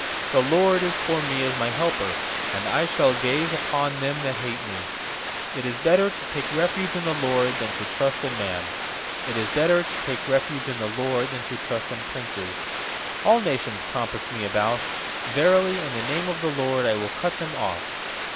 7The LORD is for me as my helper; And I shall gaze upon them that hate me. 8It is better to take refuge in the LORD Than to trust in man. 9It is better to take refuge in the LORD Than to trust in princes. 10A11 nations compass me about, Verily, in the name of the LORD I will cut them off.